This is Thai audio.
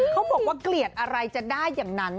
เขาบอกว่าเกลียดอะไรจะได้อย่างนั้น